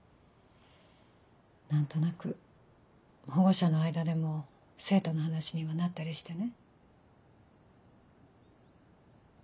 何となく保護者の間でも生徒の話にはなったりしてね。